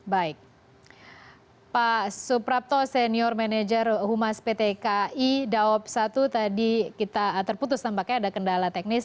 baik pak suprapto senior manager humas pt kai daob satu tadi kita terputus tampaknya ada kendala teknis